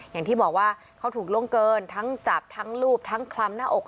อย่างที่บอกว่าเขาถูกล่วงเกินทั้งจับทั้งรูปทั้งคลำหน้าอก